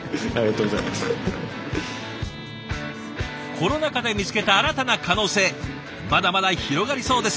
コロナ禍で見つけた新たな可能性まだまだ広がりそうです。